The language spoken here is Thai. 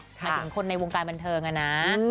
มาถึงคนในวงการบรรเทิงอะนะ